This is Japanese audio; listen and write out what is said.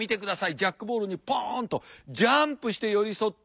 ジャックボールにポンとジャンプして寄り添って。